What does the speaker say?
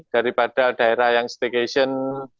daripada daerah yang staycation